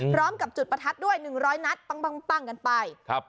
พร้อมกับจุดประทัดด้วย๑๐๐นัดปั้งกันไปครับ